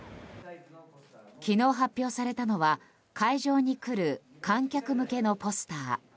昨日発表されたのは会場に来る観客向けのポスター。